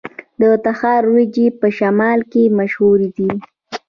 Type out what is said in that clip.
د تخار وریجې په شمال کې مشهورې دي.